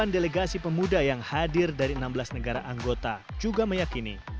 delapan delegasi pemuda yang hadir dari enam belas negara anggota juga meyakini